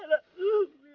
anakku mimpi bangun